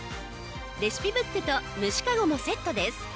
レシピブックと蒸しかごもセットです。